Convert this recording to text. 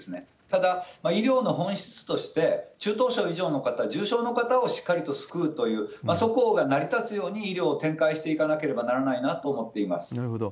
ただ、医療の本質として、中等症以上の方、重症の方をしっかりと救うという、そこが成り立つように医療を展開していかなければならないなと思なるほど。